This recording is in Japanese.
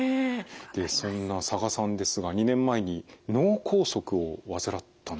でそんな佐賀さんですが２年前に脳梗塞を患ったんですね。